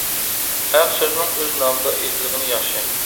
ھەق سۆزنىڭ ئۆز نامىدا ئېيتىلغىنى ياخشى.